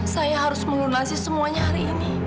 saya harus melunasi semuanya hari ini